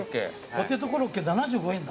ポテトコロッケ７５円だ。